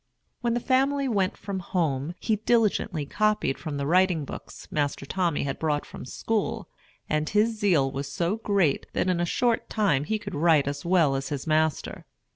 When the family went from home, he diligently copied from the writing books Master Tommy had brought from school; and his zeal was so great that in a short time he could write as well as his master.